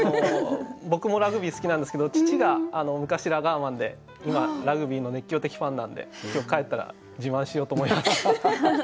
僕もラグビー好きなんですけど父が昔ラガーマンで今ラグビーの熱狂的ファンなんで今日帰ったら自慢しようと思います。